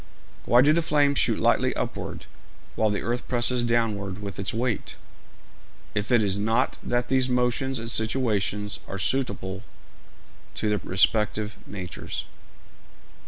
Why do the flames shoot lightly upward, while the earth presses downward with its weight, if it is not that these motions and situations are suitable to their respective natures?